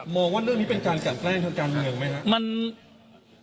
ว่าเรื่องนี้เป็นการกันแกล้งทางการเมืองไหมครับ